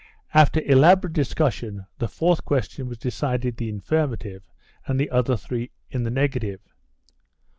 After elaborate discussion the fourth question was decided in the affirmative and the other three in the negative.